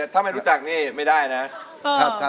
ถ้าไม่รู้จักนี่ไม่ได้นะ